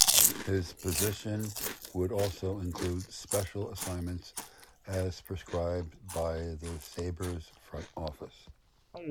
His position would also include special assignments as prescribed by the Sabres front office.